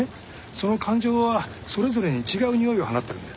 その感情はそれぞれに違う匂いを放ってるんだ。